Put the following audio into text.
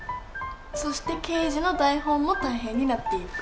そして圭次の台本も大変になっていく。